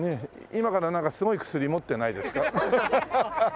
今からなんかすごい薬持ってないですか？